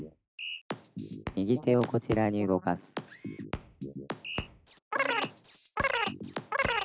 「右手をこちらに動かす」ピッ！